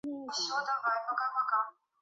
他也代表白俄罗斯国家足球队参赛。